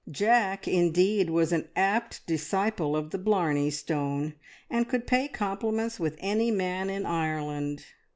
Jack, indeed, was an apt disciple of the Blarney Stone, and could pay compliments with any man in Ireland.